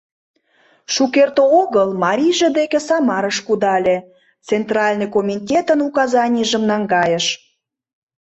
Шукерте огыл марийже деке Самарыш кудале, Центральный Комитетын указанийжым наҥгайыш.